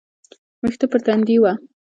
ويښته پر تندي وه.